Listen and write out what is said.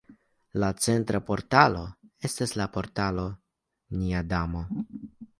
La centra portalo estas la Portalo Nia Damo.